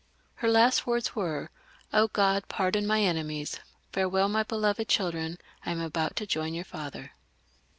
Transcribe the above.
Her last words were :" Grod, pardon my enemies; farewell, my beloved chil dren, I am about to join your father."